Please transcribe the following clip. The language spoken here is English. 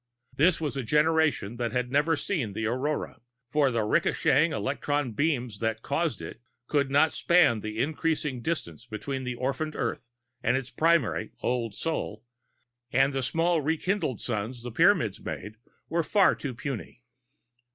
This was a generation that had never seen the aurora, for the ricocheting electron beams that cause it could not span the increasing distance between the orphaned Earth and its primary, Old Sol, and the small rekindled suns the Pyramids made were far too puny.